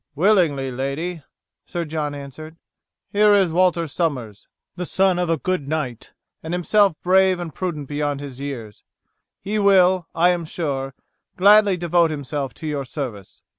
"Willingly, lady," Sir John answered. "Here is Walter Somers, the son of a good knight, and himself brave and prudent beyond his years; he will, I am sure, gladly devote himself to your service."